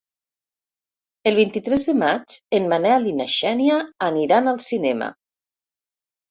El vint-i-tres de maig en Manel i na Xènia aniran al cinema.